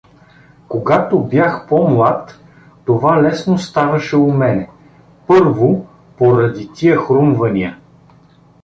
Когато бях по-млад, това лесно ставаше у мене, първо, поради, тия хрумвания.